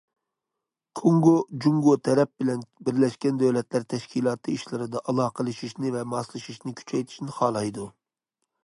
كونگو جۇڭگو تەرەپ بىلەن بىرلەشكەن دۆلەتلەر تەشكىلاتى ئىشلىرىدا ئالاقىلىشىشنى ۋە ماسلىشىشنى كۈچەيتىشىنى خالايدۇ.